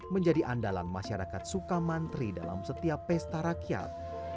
menjadi andalan masyarakat suka mantri dalam setiap pesta rakyat